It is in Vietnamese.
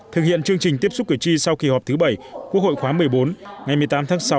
thực hiện chương trình tiếp xúc cử tri sau kỳ họp thứ bảy quốc hội khóa một mươi bốn ngày một mươi tám tháng sáu